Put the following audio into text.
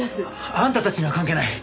あんたたちには関係ない。